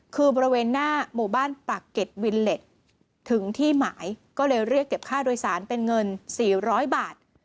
คือบริเวณหน้าหมู่บ้านปากเก็ตวิลเล็ตถึงที่หมายก็เลยเรียกเก็บค่าโดยสารเป็นเงิน๔๐๐บาท